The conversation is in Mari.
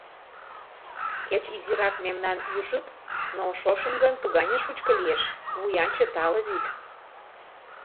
Кеч изирак мемнан Ӱшӱт, Но шошым гын тугане шучко Лиеш: вуянче, тале вӱд.